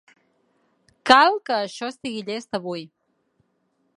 Cal que això estigui llest avui.